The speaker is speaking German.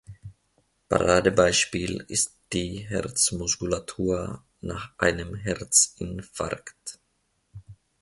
Paradebeispiel ist die Herzmuskulatur nach einem Herzinfarkt.